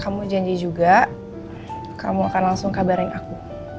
kamu janji juga kamu akan langsung kabarin aku